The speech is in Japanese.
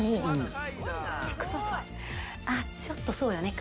あっちょっとそうよね。